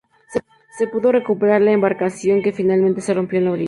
Se pudo recuperar la embarcación, que finalmente se rompió en la orilla.